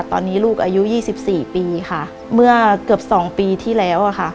ตอนนี้ลูกอายุ๒๔ปีค่ะเมื่อเกือบสองปีที่แล้วอะค่ะ